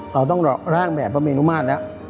กรอบก็จะตัวให้ร่างแบบพระเมรุมัติแล้ว